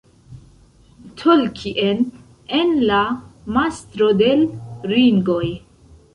Tolkien en la La Mastro de l' Ringoj.